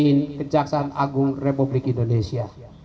ini adalah kejaksaan agung republik indonesia